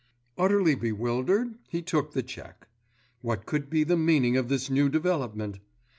Utterly bewildered, he took the cheque, What could be the meaning of this new development?